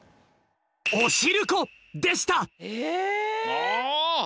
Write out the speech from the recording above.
ああ！